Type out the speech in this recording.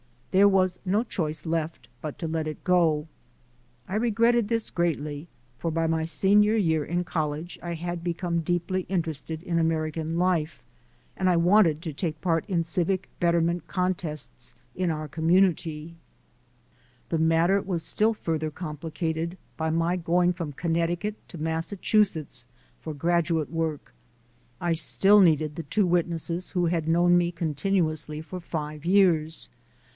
There was no choice left but to let it go. I regretted this greatly, for by my senior year in college I had be come deeply interested in American life and I wanted to take part in civic betterment contests in our community. I BECOME NATURALIZED 197 The matter was still further complicated by my going from Connecticut to Massachusetts for grad uate work. I still needed the two witnesses who had known me continuously for five years.